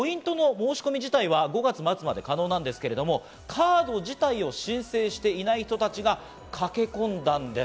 ポイントの申し込み自体は５月末まで可能なんですけれども、カード自体を申請していない人たちが駆け込んだんです。